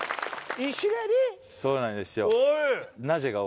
そうなんですよ。